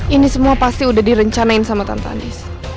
ini semua pasti udah direncanain sama tante